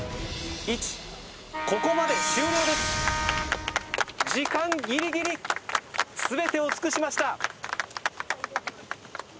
１ここまで終了です時間ギリギリ全てを尽くしました